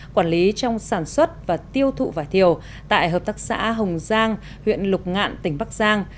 quản lý trong sản xuất và tiêu thụ vải thiều tại hợp tác xã hồng giang huyện lục ngạn tỉnh bắc giang